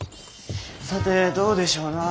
さてどうでしょうなあ。